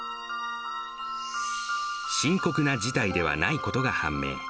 深刻な事態ではないことが判明。